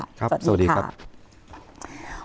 สวัสดีครับ